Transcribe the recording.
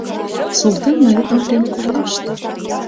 Султан Майрукмыт дене пырля ышта.